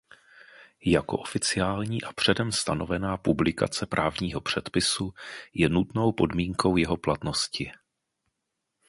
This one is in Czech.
Jako oficiální a předem stanovená publikace právního předpisu je nutnou podmínku jeho platnosti.